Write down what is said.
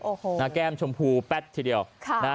โอ้โหหน้าแก้มชมพูแป๊ดทีเดียวครับ